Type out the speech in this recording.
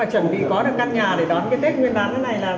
chẳng bị có được căn nhà để đón tết nguyên đán như này là rất là nhanh